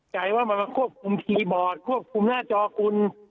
ใจว่ามันมาควบคุมคีย์บอร์ดควบคุมหน้าจอคุณ